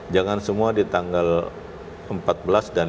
jangan semua di tanggal empat belas dan lima belas